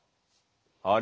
あれ？